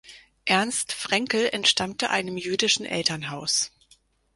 Ernst Fraenkel entstammte einem jüdischen Elternhaus.